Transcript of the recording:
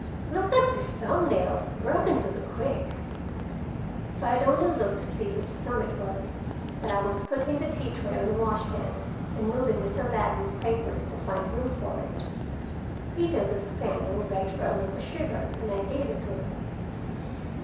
Look at this thumb nail, broken to the quick!" If I had only looked to see which thumb it was! But I was putting the tea tray on the wash stand, and moving Mr. Ladley's papers to find room for it. Peter, the spaniel, begged for a lump of sugar, and I gave it to him.